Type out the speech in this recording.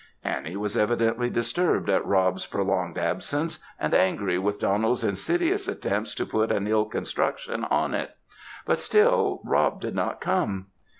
Annie was evidently disturbed at Rob's prolonged absence, and angry with Donald's insidious attempts to put an ill construction on it. But still Rob did not come.